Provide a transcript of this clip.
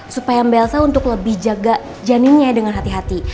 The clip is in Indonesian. supaya mbak elsa untuk lebih jaga janinnya dengan hati hati